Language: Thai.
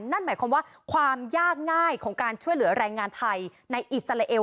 นั่นหมายความว่าความยากง่ายของการช่วยเหลือแรงงานไทยในอิสราเอล